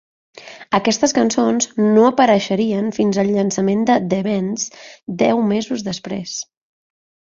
Aquestes cançons no apareixerien fins al llançament de "The Bends", deu mesos després.